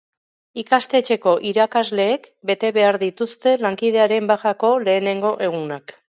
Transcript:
Ikastetxeko irakasleek bete behar dituzte lankidearen bajako lehenengo egunak.